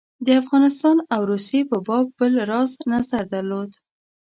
د افغانستان او روسیې په باب بل راز نظر درلود.